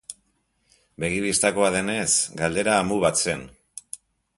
Begi bistakoa denez, galdera amu bat zen.